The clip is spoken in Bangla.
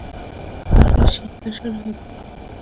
আপনার সিংহাসন হইতে আমাকে অব্যাহতি দিন, এই ভিক্ষা।